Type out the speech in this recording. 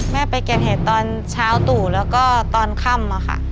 แม่ไปเก็บเห็ดตอนเช้าตู่แล้วก็ตอนค่ำอะค่ะ